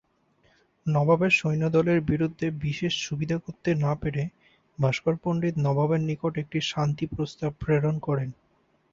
নবাবের সৈন্যদলের বিরুদ্ধে বিশেষ সুবিধা করতে না পেরে ভাস্কর পণ্ডিত নবাবের নিকট একটি শান্তি প্রস্তাব প্রেরণ করেন।